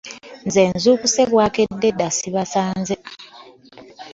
Nzuukuse bwakedde dda ssibasanze.